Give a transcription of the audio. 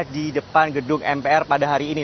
di depan gedung mpr pada hari ini